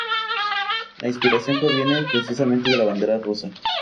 La inspiración proviene precisamente de la bandera rusa.